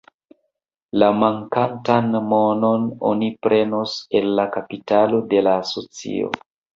La mankantan monon oni prenos el la kapitalo de la asocio.